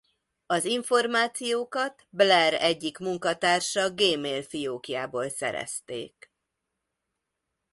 Az információkat Blair egyik munkatársa Gmail-fiókjából szerezték.